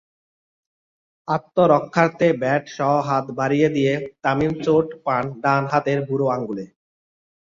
আত্মরক্ষার্থে ব্যাটসহ হাত বাড়িয়ে দিয়ে তামিম চোট পান ডান হাতের বুড়ো আঙুলে।